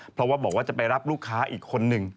เพราะว่าบอกว่าจะไปรับลูกค้าอีกคนนึง